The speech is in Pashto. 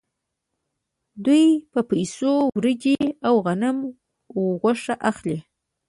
دوی په پیسو وریجې او غنم او غوښه اخلي